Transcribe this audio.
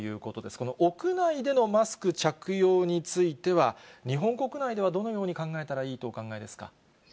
この屋内でのマスク着用については、日本国内ではどのように考えたらいいとお考えですか。